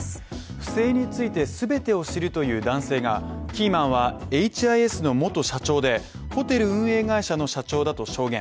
不正についてすべてを知るという男性がキーマンはＨＩＳの元社長でホテル運営会社の社長だと証言。